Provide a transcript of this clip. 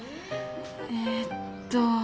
えっと。